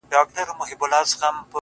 ته یې په مسجد او درمسال کي کړې بدل!